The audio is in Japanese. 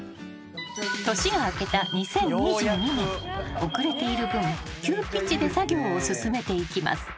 ［年が明けた２０２２年遅れている分急ピッチで作業を進めていきます］